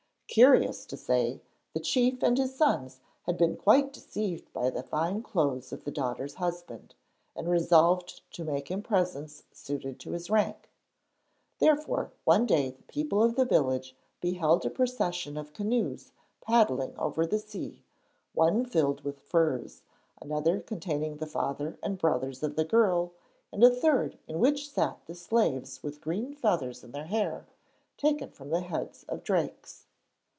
Curious to say, the chief and his sons had been quite deceived by the fine clothes of the daughter's husband, and resolved to make him presents suited to his rank. Therefore one day the people of the village beheld a procession of canoes paddling over the sea, one filled with furs, another containing the father and brothers of the girl, and a third, in which sat the slaves with green feathers in their hair, taken from the heads of drakes.